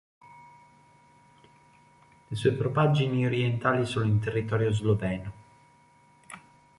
Le sue propaggini orientali sono in territorio sloveno.